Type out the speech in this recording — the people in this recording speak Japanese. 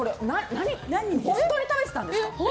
本当に食べてたんですか。